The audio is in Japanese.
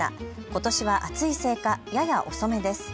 ことしは暑いせいかやや遅めです。